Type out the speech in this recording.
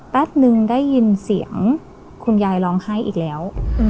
แป๊บนึงได้ยินเสียงคุณยายร้องไห้อีกแล้ว